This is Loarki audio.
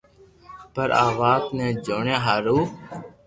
پر آ وات ني جوڻيا ھارون